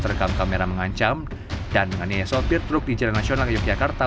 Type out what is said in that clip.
terekam kamera mengancam dan menganiaya sopir truk di jalan nasional yogyakarta